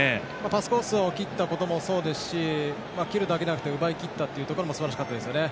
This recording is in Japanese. パスコースを切ったこともそうですし切るだけではなく奪いきったのもすばらしかったですよね。